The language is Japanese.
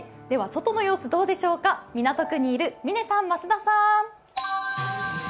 外の様子どうでしょうか、港区にいる嶺さん、増田さん。